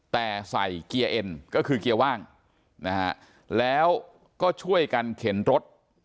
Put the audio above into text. แต่ใส่เกียร์เอ็นก็คือเกียร์ว่างนะฮะแล้วก็ช่วยกันเข็นรถ